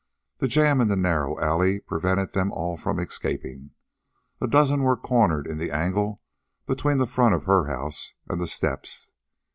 The jam in the narrow alley prevented them all from escaping. A dozen were cornered in the angle between the front of her house and the steps.